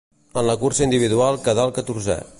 En la cursa individual quedà el catorzè.